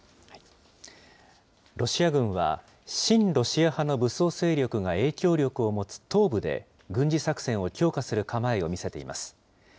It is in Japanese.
ロシア軍は、親ロシア派の武装勢力が影響力を持つ東部で、軍事作戦を強化する構えを見せています。